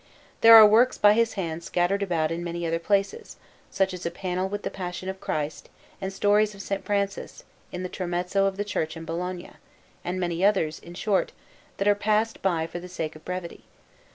There are works by his hand scattered about in many other places, such as a panel with the Passion of Christ, and stories of S. Francis, in the tramezzo of the church in Bologna; and many others, in short, that are passed by for the sake of brevity.